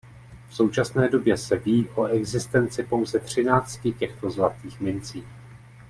V současné době se ví o existenci pouze třinácti těchto zlatých mincí.